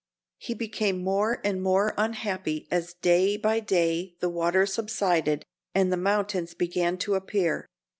He became more and more unhappy as day by day the water subsided and the mountains began to appear.